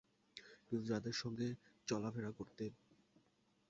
কিন্তু যাদের সঙ্গে চলাফেরা করতেন।